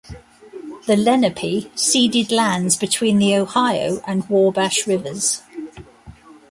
The Lenape ceded lands between the Ohio and Wabash rivers.